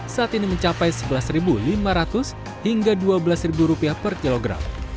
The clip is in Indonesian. saat ini mencapai rp sebelas lima ratus hingga rp dua belas per kilogram